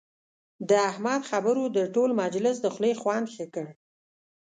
د احمد خبرو د ټول مجلس د خولې خوند ښه کړ.